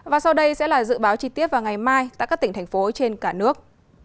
và sau đây sẽ là dự báo chi tiết vào ngày mai tại các tỉnh thành phố trên cả nước